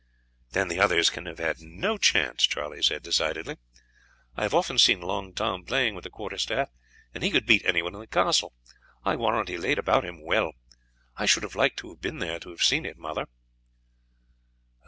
"Then the others can have had no chance," Charlie said decidedly. "I have often seen Long Tom playing with the quarter staff, and he could beat anyone in the castle. I warrant he laid about him well. I should have liked to have been there to have seen it, mother."